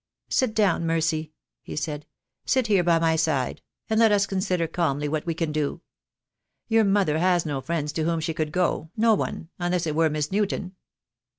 "Sit down, Mercy," he said, "sit here by my side, and let us consider calmly what we can do. Your mother has no friends to whom she could go, no one, unless it were Miss Newton."